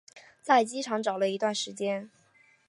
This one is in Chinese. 在机场找了一段时间